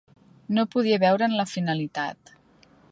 No podia veure'n la finalitat.